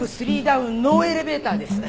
３ダウンノーエレベーターです。